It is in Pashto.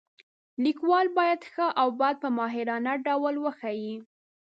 لیکوال باید ښه او بد په ماهرانه ډول وښایي.